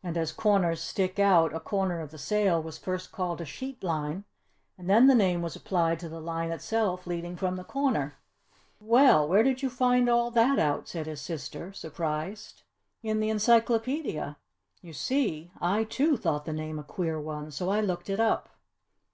And as corners stick out a corner of the sail was first called a sheet line and then the name was applied to the line itself leading from the corner." "Well! Where did you find all that out?" said his sister, surprised. "In the encyclopedia; you see, I too thought the name a queer one so I looked it up."